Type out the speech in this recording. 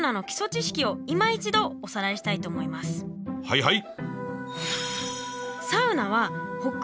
はいはい。